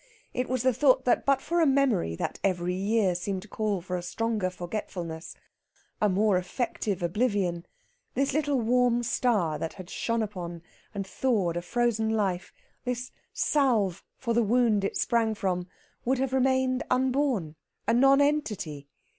It was the thought that, but for a memory that every year seemed to call for a stronger forgetfulness, a more effective oblivion, this little warm star that had shone upon and thawed a frozen life, this salve for the wound it sprang from, would have remained unborn a nonentity!